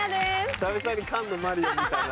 久々に菅のマリオ見たな。